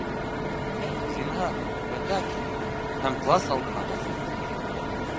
Зинһар, бында килегеҙ һәм класс алдына баҫығыҙ